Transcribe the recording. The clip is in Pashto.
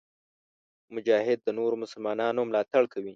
مجاهد د نورو مسلمانانو ملاتړ کوي.